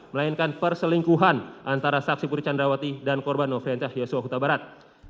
melainkan perselingkuhan antara saksi putri candrawati dan korban novi ancah yosua kota barat